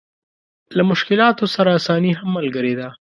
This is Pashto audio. له مشکلاتو سره اساني هم ملګرې ده.